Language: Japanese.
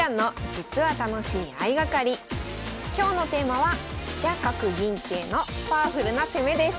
今日のテーマは「飛車角銀桂のパワフルな攻め」です